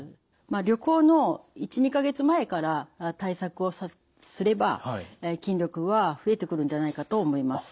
旅行の１２か月前から対策をすれば筋力は増えてくるんじゃないかと思います。